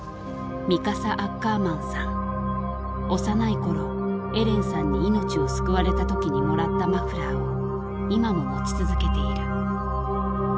幼い頃エレンさんに命を救われた時にもらったマフラーを今も持ち続けている。